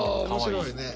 面白いね。